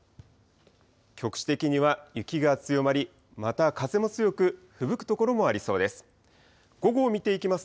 局地的には雪が強まり、また風も強く、ふぶく所もありそうです。